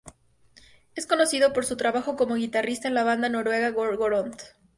Es conocido por su trabajo como guitarrista en la banda noruega Gorgoroth.